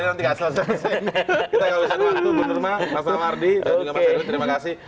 kita akan besarkan waktu ibu norma mas tawardi dan juga mas heriwin terima kasih